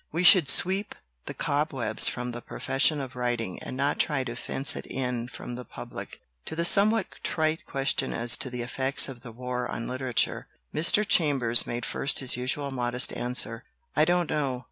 We should sweep the cobwebs from the profession of writing and not try to fence it in from the public." To the somewhat trite question as to the effects of the war on literature, Mr. Chambers made first his usual modest answer, "I don't know."